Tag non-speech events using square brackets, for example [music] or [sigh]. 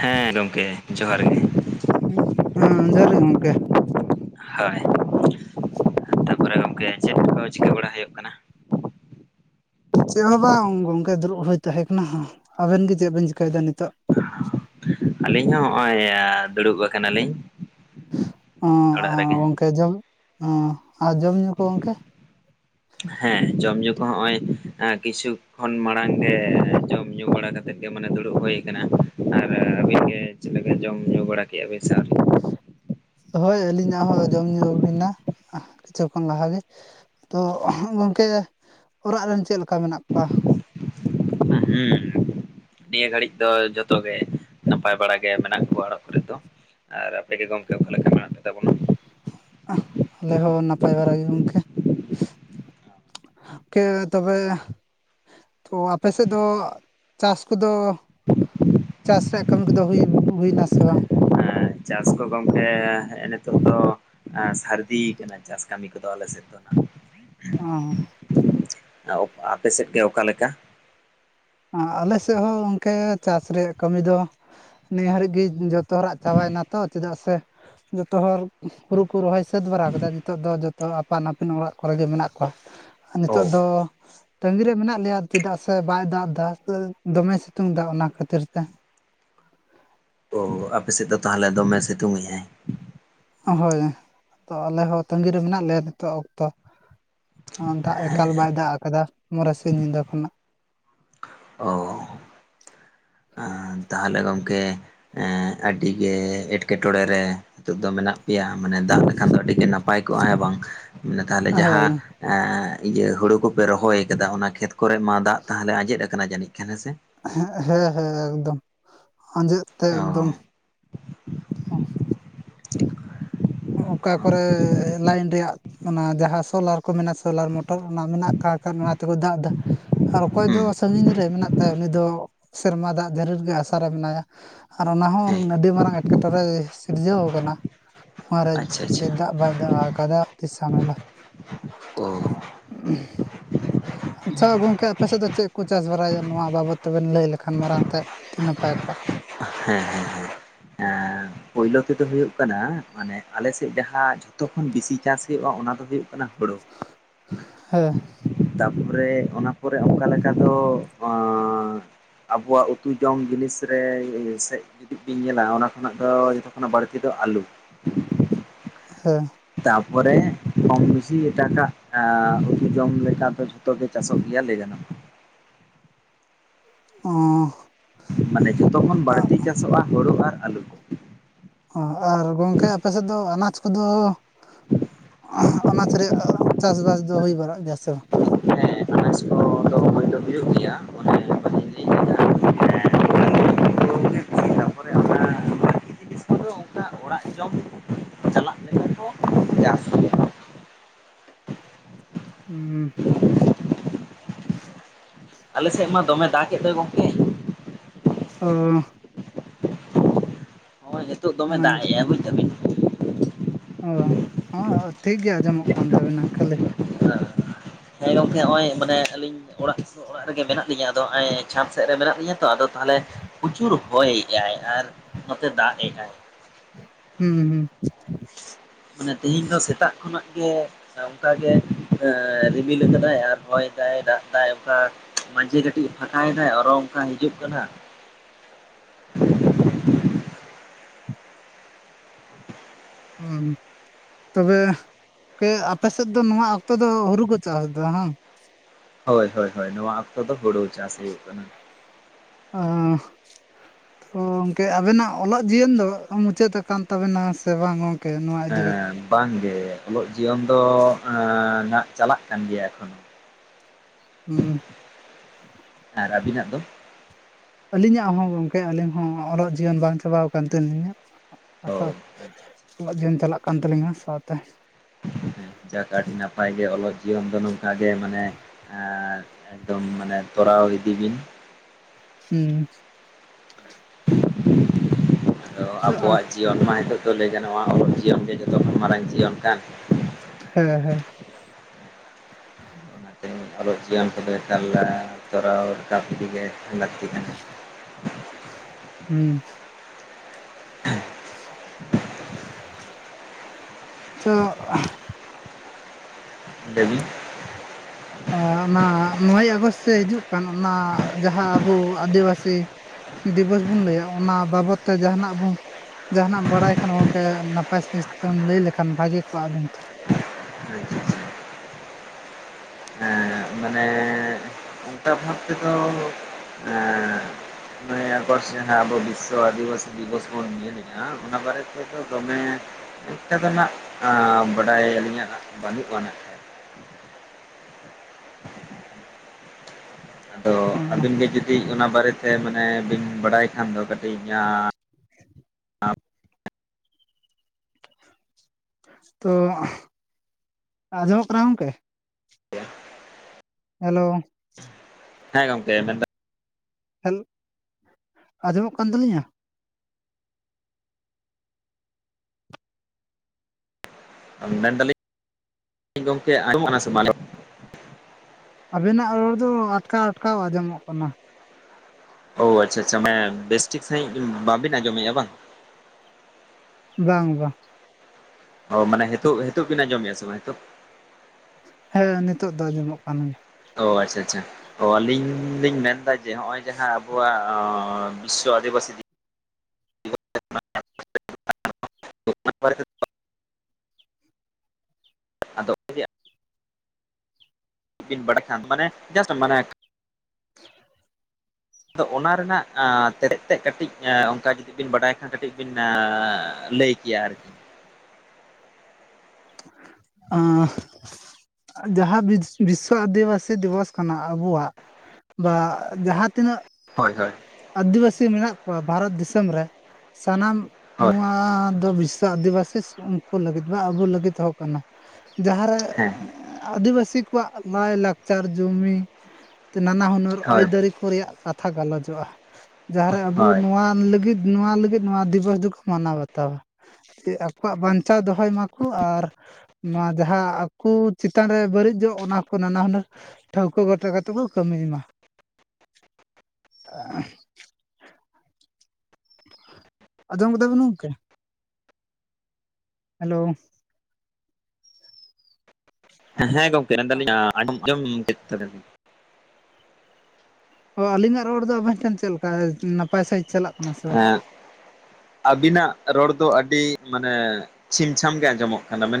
ᱦᱮᱸ ᱜᱚᱝᱠᱮ ᱡᱚᱦᱟᱨ ᱜᱮ᱾ ᱦᱩᱸ ᱮ ᱡᱚᱦᱟᱨ ᱜᱮ ᱜᱚᱝᱠᱮ᱾ ᱦᱟᱭ ᱛᱟᱯᱚᱨᱮ ᱜᱚᱝᱠᱮ ᱪᱮᱫ ᱠᱚ ᱪᱤᱠᱟ ᱵᱟᱲᱟ ᱦᱩᱭᱩᱜ ᱠᱟᱱᱟ? ᱪᱮᱫ ᱦᱚᱸ ᱵᱟᱝ ᱜᱚᱝᱠᱮ ᱫᱩᱲᱩᱵ ᱦᱩᱭ ᱛᱟᱦᱮᱸ ᱠᱟᱱᱟ ᱟᱵᱮᱱ ᱜᱮ ᱪᱮᱫ ᱵᱮᱱ ᱪᱤᱠᱟᱭᱮᱫᱟ ᱧᱤᱛᱚᱜ? ᱟᱞᱤᱧ ᱦᱚᱸ ᱱᱚᱜ-ᱚᱭ ᱫᱩᱲᱩᱵ ᱟᱠᱟᱞᱤᱧ᱾ ᱚᱸᱻ ᱜᱚᱝᱠᱮ ᱡᱚᱞ ᱟᱸᱻ ᱟᱨ ᱡᱚᱢ ᱧᱩ ᱠᱩ ᱜᱚᱝᱠᱮ? ᱦᱮᱸ ᱡᱚᱢ ᱧᱩ ᱠᱚ ᱦᱚᱸᱜ-ᱚᱭ ᱮ ᱠᱤᱪᱷᱩ ᱠᱷᱚᱱ ᱢᱟᱲᱟᱝ ᱜᱮ ᱡᱚᱢ ᱧᱩ ᱵᱟᱲᱟ ᱠᱛᱮᱫ ᱜᱮ ᱢᱟᱱᱮ ᱫᱩᱲᱩᱵ ᱦᱩᱭ ᱟᱠᱟᱱᱟ ᱟᱨ ᱟᱵᱤᱱ ᱜᱮ ᱪᱮᱞᱮ ᱵᱮᱱ ᱡᱚᱢ ᱧᱩ ᱵᱟᱲᱟ ᱠᱮᱜᱟ ᱵᱮᱱ ᱥᱮ ᱟᱣᱨᱤ? ᱦᱳᱭ ᱟᱹᱞᱤᱧᱟᱜ ᱦᱚᱸ ᱡᱚᱢ ᱧᱩ ᱦᱩᱭ ᱱᱟ ᱠᱤᱪᱷᱩ ᱠᱷᱚᱱ ᱞᱟᱦᱟᱜᱮ ᱛᱚ ᱚᱦᱚ ᱜᱚᱝᱠᱮ ᱚᱨᱟᱜ ᱨᱮᱱ ᱪᱮᱫ ᱞᱮᱠᱟ ᱢᱮᱱᱟᱜ ᱠᱩᱣᱟ? ᱦᱩᱸ ᱱᱤᱭᱟᱹ ᱜᱷᱟᱹᱲᱤᱡ ᱫᱚ ᱡᱚᱛᱚ ᱜᱮ ᱱᱟᱯᱟᱭ ᱵᱟᱲᱟ ᱜᱮ ᱢᱮᱱᱟᱜ ᱠᱩᱣᱟ ᱚᱲᱟᱜ ᱠᱚᱨᱮᱫ ᱫᱚ ᱟᱨ ᱟᱯᱮ ᱜᱮ ᱜᱚᱝᱠᱮ ᱚᱠᱟ ᱞᱮᱠᱟ ᱢᱮᱱᱟᱜ ᱯᱮ ᱛᱟᱵᱩᱱᱟ? ᱟᱷ ᱟᱞᱮ ᱦᱚᱸ ᱱᱟᱯᱟᱭ ᱵᱟᱥᱟ ᱜᱮ ᱜᱚᱝᱠᱮ᱾ ᱠᱮ ᱛᱚᱵᱮ ᱛᱚ ᱟᱯᱮ ᱥᱮᱫ ᱫᱚ ᱪᱟᱥ ᱠᱩᱫᱚ ᱪᱟᱥ ᱨᱮᱭᱟᱜ ᱠᱟᱹᱢᱤ ᱠᱚᱫᱚ ᱦᱩᱭ ᱦᱩᱭᱱᱟ ᱥᱮ ᱵᱟᱝ? ᱮᱸ ᱪᱟᱥ ᱫᱚ ᱜᱚᱝ. ᱜᱟ ᱠᱮ ᱮᱦᱮ ᱱᱤᱛᱚᱜ ᱫᱚ. ᱟ ᱥᱟᱨᱫᱤ ᱠᱟᱱᱟ ᱪᱟᱥ ᱠᱟᱢᱤ ᱠᱚᱫᱚ ᱟᱞᱮ ᱥᱮᱫ ᱫᱚ ᱱᱟᱜ ᱚ ᱳᱣ ᱟᱯᱮ ᱥᱮᱫ ᱜᱮ ᱚᱠᱟ ᱞᱮᱠᱟ? ᱚ ᱟᱞᱮ ᱥᱮᱫ ᱦᱚᱸ ᱜᱚᱝᱠᱮ ᱪᱟᱥ ᱨᱮᱭᱟᱜ ᱠᱟᱹᱢᱤ ᱫᱚ ᱱᱤᱭᱟᱹ ᱦᱟᱹᱨᱤᱡ ᱜᱤ ᱡᱚᱛ ᱛᱚ ᱦᱚᱨᱟᱜ ᱪᱟᱵᱟᱭ ᱱᱟ ᱛᱚ ᱪᱮᱫᱟᱜ ᱥᱮ ᱡᱚᱛᱚ ᱦᱚᱨ ᱦᱩᱨᱩ ᱠᱚ ᱨᱚᱦᱚᱭ ᱥᱟᱹᱛ ᱵᱟᱨᱟ ᱠᱮᱫᱟ ᱱᱤᱛᱚᱜ ᱫᱚ ᱡᱚᱛ ᱛᱚ ᱟᱯᱟᱱ ᱟᱹᱯᱤᱱ ᱚᱲᱟᱜ ᱠᱚᱨᱮ ᱜᱮ ᱢᱮᱱᱟᱜ ᱠᱚᱣᱟ, ᱱᱤᱛᱚᱜ ᱚ ᱫᱚ ᱛᱟᱺᱜᱤᱨ ᱨᱮ ᱢᱮᱱᱟᱜ ᱞᱮᱭᱟ ᱪᱮᱫᱟᱜ ᱥᱮ ᱵᱟᱭ ᱫᱟᱜ ᱫᱟ ᱫᱚᱢᱮ ᱥᱤᱛᱩᱝ ᱮᱫᱟ ᱚᱱᱟ ᱠᱷᱟᱹᱛᱤᱨ ᱛᱮ ᱚ ᱟᱯᱮ ᱥᱮᱫ ᱫᱚ ᱛᱟᱦᱚᱞᱮ ᱫᱚᱢᱮ ᱥᱤᱛᱩᱝ ᱮᱜᱟᱭ? ᱦᱳᱭ ᱛᱚ ᱟᱞᱮ ᱦᱚ ᱛᱟᱺᱜᱤ ᱨᱮ ᱢᱮᱱᱟᱜ ᱞᱮᱭᱟ ᱱᱤᱛᱚᱜ ᱚᱠᱛᱚ᱾ ᱚ ᱫᱟᱜ ᱮᱠᱟᱞ ᱵᱟᱭ ᱫᱟᱜ ᱟᱠᱟᱫᱟ ᱢᱚᱨᱮ ᱥᱤᱧ ᱧᱤᱫᱟᱹ ᱠᱷᱚᱱᱟᱜ ᱚᱻ ᱟ ᱛᱟᱦᱚᱞᱮ ᱜᱚᱢᱠᱮ ᱮᱸ ᱟᱹᱰᱤᱜᱮ ᱮᱴᱠᱮᱴᱚᱬᱮ ᱨᱮ ᱱᱤᱛᱚᱜ ᱫᱚ ᱢᱮᱱᱟᱜ ᱯᱮᱭᱟ ᱢᱟᱱᱮ ᱫᱟᱜ ᱞᱮᱠᱷᱟᱱ ᱫᱚ ᱟᱹᱰᱤ ᱜᱮ ᱱᱟᱯᱟᱭ ᱠᱚᱜᱼᱟ ᱦᱮᱻᱵᱟᱝ ᱤᱱᱟᱹ ᱛᱟᱦᱚᱞᱮ ᱦᱳᱭ ᱡᱟᱦᱟᱸ ᱟᱸ ᱤᱭᱟᱹ ᱦᱩᱲᱩ ᱠᱚᱯᱮ ᱨᱚᱦᱚᱭ ᱠᱟᱫᱟ ᱚᱱᱟ ᱠᱷᱮᱛ ᱠᱚᱨᱮ ᱢᱟ ᱫᱟᱜ ᱛᱟᱦᱚᱞᱮ ᱟᱸᱡᱮᱫ ᱟᱠᱟᱱᱟ ᱡᱟᱹᱱᱤᱡ ᱠᱷᱟᱱ ᱦᱮᱸ ᱥᱮ? ᱦᱮᱸᱜᱻᱦᱮ ᱦᱮ ᱮᱠᱫᱚᱢ ᱟᱸᱡᱮᱫ ᱛᱮ ᱚ ᱮᱠᱫᱚᱢ [unintelligible] ᱚᱠᱟ ᱠᱚᱨᱮ ᱞᱟᱭᱤᱱ ᱨᱮᱭᱟᱜ ᱚᱱᱟ ᱡᱟᱦᱟᱸ ᱥᱳᱞᱟᱨ ᱠᱚ ᱢᱮᱱᱟᱜ ᱥᱳᱞᱟᱨ ᱢᱚᱴ ᱴᱚ ᱚᱱᱟ ᱢᱮᱱᱟᱜ ᱠᱟᱜ ᱠᱷᱟ ᱠᱷᱟᱱ ᱚᱱᱟ ᱛᱮᱠᱩ ᱫᱟᱜ ᱮᱫᱟ ᱟᱨ ᱚᱠᱚᱭ ᱫᱚ ᱦᱩᱸ ᱥᱟᱺᱜᱤᱧ ᱨᱮ ᱢᱮᱱᱟᱜ ᱛᱟᱭ ᱩᱱᱤ ᱫᱚ ᱥᱮᱨᱢᱟ ᱫᱟᱜ ᱡᱟᱹᱨᱤ ᱜᱮ ᱟᱥᱟᱨᱮ ᱢᱮᱱᱟᱭᱟ ᱟᱨ ᱚᱱᱟ ᱦᱚᱸ ᱦᱮᱸ ᱟᱹᱰᱤ ᱢᱟᱨᱟᱝ ᱮᱴᱠᱮᱴᱚᱨᱮ ᱥᱤᱨᱡᱟᱹᱣ ᱠᱟᱱᱟ ᱚᱱᱟᱨᱮ ᱟᱪᱪᱷᱟ ᱟᱪᱪᱷᱟ ᱫᱟᱜ ᱵᱟᱭ ᱫᱟᱜ ᱟᱠᱟᱫᱟ ᱟᱹᱫᱤ ᱥᱟᱢᱮᱞᱟ ᱚ ᱟᱪᱪᱷᱟ ᱜᱚᱝᱠᱮ ᱟᱯᱮ ᱥᱮᱫ ᱫᱚ ᱪᱮᱫ ᱠᱚ ᱪᱟᱥ ᱵᱟᱨᱟᱭᱟ ᱱᱚᱣᱟ ᱵᱟᱵᱚᱫ ᱛᱮᱵᱮᱱ ᱞᱟᱹᱭ ᱞᱮᱠᱷᱟᱱ ᱢᱟᱨᱟᱝ ᱛᱮᱫ ᱟᱹᱰᱤ ᱱᱟᱯᱟᱭ ᱠᱚᱜᱼᱟ, ᱦᱮᱸ ᱦᱮᱸ ᱦᱮᱸᱸ ᱟᱸ ᱯᱳᱭᱞᱳ ᱛᱮᱫᱚ ᱦᱩᱭᱩᱜ ᱠᱟᱱᱟ ᱢᱟᱱᱮ ᱟᱞᱮ ᱥᱮᱫ ᱡᱟᱦᱟᱸ ᱡᱚᱛᱚ ᱠᱷᱚᱱ ᱵᱤᱥᱤ ᱪᱟᱥ ᱦᱩᱭᱩᱜᱼᱟ ᱚᱱᱟ ᱫᱚ ᱦᱩᱭᱩᱜ ᱠᱟᱱᱟ ᱦᱩᱲᱩ ᱦᱮᱸ [unintelligible] ᱛᱟᱨᱯᱚᱨᱮ ᱚᱱᱟ ᱯᱚᱨᱮ ᱚᱱᱠᱟ ᱞᱮᱠᱟ ᱫᱚ ᱟᱸᱻ ᱟᱵᱩᱣᱟᱜ ᱩᱛᱩ ᱡᱚᱢ ᱡᱤᱱᱤᱥ ᱨᱮ ᱥᱮᱫ ᱡᱩᱫᱤ ᱵᱤᱱ ᱧᱮᱞᱟ ᱚᱱᱟ ᱠᱷᱚᱱᱟᱜ ᱫᱚ ᱡᱚᱛᱚ ᱠᱷᱚᱱᱟᱜ ᱵᱟᱹᱲᱛᱤ ᱫᱚ ᱟᱞᱩ ᱦᱮᱸ ᱛᱟᱯᱚᱨᱮ ᱠᱚᱢ ᱵᱮᱥᱤ ᱮᱴᱟᱜᱼᱠᱟᱜ ᱟᱻ ᱩᱛᱩ ᱡᱚᱢ ᱞᱮᱠᱟ ᱫᱚ ᱡᱷᱚᱛᱚ ᱜᱮ ᱪᱟᱥᱚᱜ ᱜᱮᱭᱟ ᱞᱟᱹᱭ ᱜᱟᱱᱚᱜᱼᱟ ᱚᱸᱻ ᱢᱟᱱᱮ ᱡᱚᱛᱚ ᱠᱷᱚᱱ ᱵᱟᱹᱲᱛᱤ ᱪᱟᱥᱚᱜᱼᱟ, ᱦᱩᱲᱩ ᱟᱨ ᱟᱹᱞᱩ᱾ ᱚ ᱟᱨ ᱜᱚᱢᱠᱮ ᱟᱯᱮ ᱥᱮᱫ ᱫᱚ ᱟᱱᱟᱡᱽ ᱠᱚᱫᱚ ᱟᱱᱟᱡᱽ ᱨᱮᱭᱟᱜ ᱪᱟᱥᱼᱵᱟᱥ ᱫᱚ ᱦᱩᱭ ᱵᱟᱲᱟᱜ ᱜᱮᱭᱟ ᱥᱮ ᱵᱟᱝ? ᱦᱮᱸ ᱟᱱᱟᱡ ᱠᱚᱫᱚ ᱫᱚ ᱦᱩᱭ ᱫᱚ ᱦᱩᱭᱩᱜ ᱜᱮᱭᱟ ᱚᱱᱮ ᱵᱟᱹᱞᱤᱧ ᱞᱟᱹᱭᱼᱟ ᱡᱟᱸᱦᱟ ᱦᱮᱸ ᱚᱱᱟ [inaudible] ᱡᱤᱱᱤᱥ ᱠᱚᱫᱚ ᱚᱱᱠᱟ ᱚᱲᱟᱜ ᱡᱚᱢ [unintelligible] ᱪᱟᱞᱟᱜ ᱞᱮᱠᱟ ᱦᱚᱸ ᱪᱟᱥ ᱜᱮᱼᱟ ᱾ [unintelligible] ᱦᱩᱸ ᱟᱞᱮᱥᱮᱫ ᱢᱟ ᱫᱚᱢᱮ ᱫᱟᱜ ᱜᱮᱫ ᱫᱚᱭ ᱜᱚᱝᱠᱮ ᱾ ᱚ ᱦᱳᱭ ᱱᱤᱛᱳ ᱫᱚᱢᱮ ᱚᱱᱟ ᱫᱟᱜ ᱮᱭᱟᱭ ᱵᱩᱡ ᱫᱷᱟᱹᱵᱤᱱ ᱾ ᱚ ᱦᱚᱸ ᱴᱷᱤᱠ ᱜᱮᱭᱟ ᱟᱸᱡᱚᱢᱚᱜ ᱠᱟᱱ ᱛᱟᱵᱤᱱᱟ ᱠᱷᱟᱹᱞᱤ ᱾ ᱦᱮᱸ ᱜᱚᱝᱠᱮ ᱦᱚᱸᱜᱼᱚᱭ ᱢᱟᱱᱮ ᱟᱹᱞᱤᱧ ᱚᱲᱟᱜ ᱚᱲᱟᱜ ᱨᱮᱜᱮ ᱢᱮᱱᱟᱜ ᱞᱤᱧᱟᱹ ᱟᱫᱚ ᱪᱷᱟᱸᱫᱽ ᱥᱮᱫ ᱨᱮ ᱢᱮᱱᱟᱜ ᱞᱤᱧᱟ ᱛᱚ ᱟᱫᱚ ᱛᱟᱦᱚᱞᱮ ᱯᱨᱩᱪᱩᱨ ᱦᱚᱭᱮᱜ ᱟᱭ ᱟᱨ ᱱᱚᱛᱮ ᱫᱟᱜ ᱮᱜ ᱟᱭ᱾ ᱦᱩᱸ ᱦᱩᱸ ᱢᱟᱱᱮ ᱛᱮᱦᱤᱧ ᱫᱚ ᱥᱮᱛᱟᱜ ᱠᱷᱚᱱᱟᱜ ᱜᱮ ᱚᱱᱠᱟᱜᱮ ᱨᱤᱵᱤᱞ ᱟᱠᱟᱫᱟᱭ ᱟᱨ ᱦᱚᱭᱮᱫ ᱫᱟᱜ ᱫᱟᱭ ᱚᱱᱠᱟ ᱢᱟᱡᱮ ᱠᱟᱹᱴᱤᱡ ᱯᱷᱟᱸᱠᱟ ᱭᱮᱫᱟᱭ ᱟᱨᱚ ᱚᱱᱠᱟ ᱦᱤᱡᱩᱜ ᱠᱟᱱᱟ ᱾ ᱦᱩᱸ ᱛᱚᱵᱮ ᱠᱮ ᱟᱯᱮᱥᱮᱫ ᱫᱚ ᱱᱚᱣᱟ ᱚᱠᱛᱚ ᱫᱚ ᱦᱩᱲᱩ ᱠᱚ ᱪᱟᱥᱫᱟ ᱵᱟᱝ? ᱦᱳᱭ ᱦᱳᱭ ᱦᱳᱭ ᱱᱚᱣᱟ ᱚᱠᱛᱚ ᱫᱚ ᱦᱩᱲᱩ ᱪᱟᱥ ᱦᱩᱭᱩᱜ ᱠᱟᱱᱟ ᱾ ᱚ ᱚ ᱜᱚᱝᱠᱮ ᱟᱵᱤᱱᱟᱜ ᱚᱞᱚᱜ ᱡᱤᱭᱚᱱ ᱫᱚ ᱢᱩᱪᱟᱹᱫ ᱟᱠᱟᱱ ᱛᱟᱹᱵᱤᱱᱟ ᱥᱮ ᱵᱟᱝ ᱜᱚᱝᱠᱮ? ᱱᱚᱣᱟ ᱮᱻ ᱤᱫᱤ ᱠᱟᱛᱮ? ᱵᱟᱝᱜᱮ ᱚᱞᱚᱜ ᱡᱤᱭᱚᱱ ᱫᱚ ᱮᱻ ᱱᱟᱦᱟᱜ ᱪᱟᱞᱟᱜ ᱠᱟᱱ ᱜᱮᱭᱟ ᱮᱠᱷᱚᱱᱳ ᱾ [inaudible] ᱦᱩᱸᱢ ᱦᱮᱸ ᱟᱨ ᱟᱵᱤᱱᱟᱜ ᱫᱚ? ᱟᱹᱞᱤᱧᱟᱜ ᱦᱚᱸ ᱜᱚᱝᱠᱮ ᱟᱹᱞᱤᱧ ᱦᱚᱸ ᱚᱞᱚᱜ ᱡᱤᱭᱚᱱ ᱵᱟᱝ ᱪᱟᱵᱟᱣ ᱟᱠᱟᱱ ᱛᱟᱹᱞᱤᱧᱟ ᱾ ᱚ ᱟᱪᱪᱷᱟ ᱟᱪᱪᱷᱟ [inaudible] ᱚᱞᱚᱜ ᱡᱤᱭᱚᱱ ᱪᱟᱞᱟᱜ ᱠᱟᱱ ᱛᱟᱹᱞᱤᱧᱟ ᱥᱟᱶᱛᱮ ᱡᱟᱠ ᱟᱹᱰᱤ ᱱᱟᱯᱟᱭ ᱜᱮ ᱚᱞᱚᱜ ᱡᱤᱭᱚᱱ ᱫᱚ ᱱᱚᱝᱠᱟᱜᱮ ᱢᱟᱱᱮ ᱮᱻ ᱮᱠᱫᱚᱢ ᱢᱟᱱᱮ ᱛᱚᱨᱟᱣ ᱤᱫᱤ ᱵᱤᱱ ᱾ ᱦᱩᱸ ᱟᱫᱚ ᱟᱵᱚᱣᱟᱜ ᱡᱤᱭᱚᱱ ᱢᱟ ᱱᱤᱛᱚᱜ ᱫᱚ ᱞᱟᱹᱭ ᱜᱟᱱᱚᱜᱼᱟ ᱚᱞᱚᱜ ᱡᱤᱭᱚᱱ ᱜᱮ ᱡᱚᱛᱚ ᱠᱷᱚᱱ ᱢᱟᱨᱟᱝ ᱡᱤᱭᱚᱱ ᱠᱟᱱ ᱾ ᱦᱮᱸ ᱦᱮᱸ ᱚᱱᱟᱛᱮ ᱚᱞᱚᱜ ᱡᱤᱭᱚᱱ ᱠᱚᱫᱚ ᱮᱠᱟᱞ ᱛᱚᱨᱟᱣ ᱨᱟᱠᱟᱯ ᱤᱫᱤ ᱜᱮ ᱞᱟᱹᱠᱛᱤ ᱾ ᱦᱩᱸ ᱛᱚ ᱞᱟᱹᱭ ᱵᱤᱱ ᱚᱱᱟ ᱱᱚᱭᱮ ᱟᱜᱚᱥ ᱥᱮ ᱦᱤᱡᱩᱜ ᱠᱟᱱ ᱚᱱᱟ ᱡᱟᱦᱟᱸ ᱟᱵᱚ ᱟᱹᱫᱤᱵᱟᱹᱥᱤ ᱫᱤᱵᱚᱥ ᱵᱚᱱ ᱞᱟᱹᱭᱟ ᱚᱱᱟ ᱵᱟᱵᱚᱫ ᱛᱮ ᱡᱟᱦᱟᱱᱟᱜ ᱵᱚᱱ ᱡᱟᱦᱟᱱᱟᱜ ᱮᱢ ᱵᱟᱲᱟᱭ ᱠᱷᱟᱱ ᱜᱚᱝᱠᱮ ᱱᱟᱯᱟᱭ ᱥᱟᱺᱦᱤᱥ ᱛᱮᱢ ᱞᱟᱹᱭ ᱞᱮᱠᱷᱟᱱ ᱵᱷᱟᱹᱜᱤ ᱠᱚᱜᱼᱟ ᱟᱹᱞᱤᱧ ᱴᱷᱮᱱ ᱦᱮᱸ ᱢᱟᱱᱮ [inaudible] ᱚᱱᱠᱟ ᱵᱷᱟᱵᱽ ᱛᱮᱫᱚ ᱮᱻ ᱞᱟᱹᱭᱟ ᱟᱜᱚᱥᱴ ᱡᱟᱸᱦᱟ ᱟᱵᱚ ᱵᱤᱥᱥᱚ ᱟᱹᱫᱤᱵᱟᱹᱥᱤ ᱫᱤᱵᱚᱥ ᱵᱚᱱ ᱢᱮᱱᱮᱜᱼᱟ ᱚᱱᱟ ᱵᱟᱨᱮ ᱛᱮᱫᱚ ᱫᱚᱢᱮ ᱡᱟᱦᱟ ᱱᱟᱜ ᱮᱻ ᱵᱟᱰᱟᱭ ᱟᱹᱞᱤᱧᱟᱜ ᱵᱟᱹᱱᱩᱜ ᱟᱱᱟ ᱾ ᱟᱫᱚ ᱚ ᱟᱹᱵᱤᱱ ᱜᱮ ᱡᱩᱫᱤ ᱚᱱᱟ ᱵᱟᱨᱮᱛᱮ ᱢᱟᱱᱮ ᱵᱤᱱ ᱵᱟᱲᱟᱭ ᱠᱷᱟᱱ ᱫᱚ ᱠᱟᱹᱴᱤᱡ ᱮᱻ ᱛᱚ ᱟᱸᱡᱚᱢᱚᱜ ᱠᱟᱱᱟ ᱜᱚᱝᱠᱮ? ᱦᱮᱞᱳ ᱦᱮᱸ ᱜᱚᱝᱠᱮ ᱢᱮᱱᱫᱟ ᱦᱮᱞ ᱟᱸᱡᱚᱢᱚᱜ ᱠᱟᱱ ᱛᱟᱹᱞᱤᱧᱟ ᱢᱮᱱᱫᱟᱞᱤᱧ ᱜᱚᱝᱠᱮ ᱟᱸᱡᱢᱚᱜ ᱠᱟᱱᱟ ᱥᱮ ᱵᱟᱝ ᱟᱞᱤ ᱟᱵᱮᱱᱟᱜ ᱨᱚᱲ ᱫᱚ ᱟᱴᱠᱟ ᱟᱴᱠᱟᱣ ᱟᱸᱡᱚᱢᱚᱜ ᱠᱟᱱᱟ ᱾ ᱳ ᱟᱪᱪᱷᱟ ᱟᱪᱪᱷᱟ ᱢᱟᱱᱮ ᱵᱮᱥᱴᱷᱤᱠ ᱥᱟᱺᱦᱤᱡ ᱵᱟᱵᱤᱱ ᱟᱸᱡᱚᱢᱮᱜᱼᱟ ᱵᱟᱝ ᱵᱟᱝ ᱵᱟᱝ ᱚ ᱢᱟᱱᱮ ᱦᱮᱛᱳᱜ ᱦᱮᱛᱳᱜ ᱵᱤᱱ ᱟᱸᱡᱚᱢᱮᱜᱼᱟ ᱥᱮ ᱵᱟᱝ ᱦᱮᱛᱳᱜ? ᱦᱮᱸ ᱱᱤᱛᱚᱜ ᱫᱚ ᱟᱸᱡᱚᱢᱚᱜ ᱠᱟᱱ ᱜᱮᱭᱟ ᱾ ᱚ ᱟᱪᱪᱷᱟ ᱟᱪᱪᱷᱟ ᱚ ᱟᱞᱤᱧ ᱞᱤᱧ ᱢᱮᱱᱫᱟ ᱡᱮ ᱦᱚᱜᱼᱚᱭ ᱡᱟᱦᱟᱸ ᱟᱵᱚᱣᱟᱜ ᱵᱤᱥᱥᱚ ᱟᱫᱤᱵᱟᱥᱤ [unintelligible] ᱟᱫᱚ ᱵᱤᱱ ᱵᱟᱰᱟᱭ ᱠᱷᱟᱱ ᱢᱟᱱᱮ ᱡᱟᱥᱴ ᱢᱟᱱᱮ [inaudible] ᱟᱫᱚ ᱚᱱᱟ ᱨᱮᱱᱟᱜ ᱛᱮᱨᱮᱫ ᱛᱮᱫ ᱠᱟᱹᱴᱤᱡ ᱚᱱᱠᱟ ᱡᱩᱫᱤ ᱵᱤᱱ ᱵᱟᱰᱟᱭ ᱠᱷᱟᱱ ᱠᱟᱹᱴᱤᱡ ᱵᱤᱱ ᱮᱻ ᱞᱟᱹᱭ ᱠᱤᱭᱟ ᱟᱨᱠᱤ [unintelligible] ᱡᱟᱦᱟᱸ ᱵᱤᱥ ᱵᱤᱥᱥᱚ ᱟᱹᱫᱤᱵᱟᱹᱥᱤ ᱫᱤᱵᱚᱥ ᱠᱟᱱᱟ ᱟᱵᱚᱣᱟᱜ ᱵᱟ ᱡᱟᱦᱟᱸ ᱛᱤᱱᱟᱹᱜ ᱦᱳᱭ, ᱦᱳᱭ, ᱟᱹᱫᱤᱵᱟᱹᱥᱤ ᱢᱮᱱᱟᱜ ᱠᱚᱣᱟ ᱵᱷᱟᱨᱚᱛ ᱫᱤᱥᱚᱢ ᱨᱮ, ᱥᱟᱱᱟᱢ ᱦᱳᱭ ᱱᱚᱣᱟᱻ ᱫᱚ ᱵᱤ ᱟᱹᱫᱤᱵᱟᱹᱥᱤᱥ ᱩᱱᱠᱩ ᱞᱟᱹᱜᱤᱫ ᱵᱟ ᱞᱟᱹᱜᱤᱫ ᱦᱚ ᱠᱟᱱᱟ, ᱡᱟᱦᱟᱸᱨᱮ ᱦᱮᱸ, ᱟᱹᱫᱤᱵᱟᱹᱥᱤ ᱠᱚᱣᱟᱜ ᱞᱟᱭ ᱞᱟᱠᱪᱟᱨ, ᱡᱩᱢᱤ, ᱱᱟᱱᱟ ᱦᱩᱱᱟᱹᱨ ᱦᱳᱭ ᱟᱹᱭᱫᱟᱹᱨᱤ ᱠᱚ ᱨᱮᱭᱟᱜ ᱠᱟᱛᱷᱟ ᱜᱟᱞᱚᱪᱚᱜᱼᱟ᱾ ᱡᱟᱦᱟᱸᱨᱮ ᱟᱵᱚ ᱦᱳᱭ ᱱᱚᱣᱟ ᱞᱟᱹᱜᱤᱫ ᱱᱚᱣᱟ ᱞᱟᱹᱜᱤᱫ ᱱᱚᱣᱟ ᱫᱤᱵᱚᱥ ᱫᱚᱠᱚ ᱢᱟᱱᱟᱣ ᱵᱟᱛᱟᱣᱟ, ᱡᱮ ᱟᱠᱚᱣᱟᱜ ᱵᱟᱧᱪᱟᱣ ᱫᱚᱦᱚᱭ ᱢᱟᱠᱩ ᱟᱨ ᱱᱚᱣᱟ ᱡᱟᱦᱟᱸ ᱟᱹᱠᱩ ᱪᱮᱛᱟᱱ ᱨᱮ ᱵᱟᱹᱨᱤᱡᱚᱜ, ᱚᱱᱟ ᱠᱚ ᱱᱟᱱᱟᱦᱩᱱᱟᱹᱨ ᱴᱷᱟᱹᱣᱠᱟᱹ ᱜᱚᱴᱟ ᱠᱟᱛᱮ ᱠᱚ ᱠᱟᱹᱢᱤ ᱢᱟ᱾ [unintelligible] ᱟᱡᱚᱢ ᱠᱟᱫᱟ ᱵᱤᱱ ᱜᱚᱝᱠᱮ, ᱦᱮᱞᱳ ᱦᱮᱸ ᱜᱚᱝᱠᱮ [inaudible] ᱚ ᱟᱹᱞᱤᱧᱟᱜ ᱨᱚᱲ ᱫᱚ ᱟᱵᱮᱱ ᱴᱷᱮᱱ ᱪᱮᱫ ᱞᱮᱠᱟ? ᱱᱟᱯᱟᱭ ᱥᱟᱺᱷᱤᱡ ᱪᱟᱞᱟᱜ ᱠᱟᱱᱟ ᱥᱮ ᱵᱟᱝ ᱦᱮᱸ, ᱟᱵᱤᱱᱟᱜ ᱨᱚᱲ ᱫᱚ ᱟᱹᱰᱤ ᱢᱟᱱᱮ, ᱪᱷᱤᱢ ᱪᱷᱟᱢ ᱜᱮ ᱟᱸᱡᱚᱢᱚᱜ ᱠᱟᱱᱟ, ᱢᱮᱱᱠ